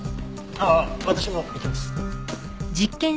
あっ私も行きます。